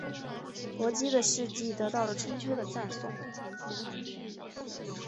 伯姬的事迹得到了春秋的赞颂。